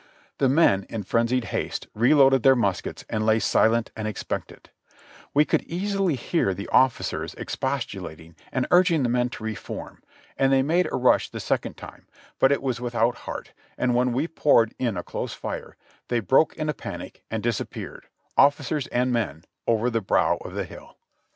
The men in frenzied haste reloaded their muskets and lay silent and expectant : we could easily hear the officers expostulating and urging the men to reform, and they made a rush the second time, but it was without heart, and when we poured in a close fire, they broke in a panic and disap peared, officers and men, over the brow of the hill.